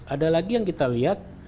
ada lagi yang kita lihat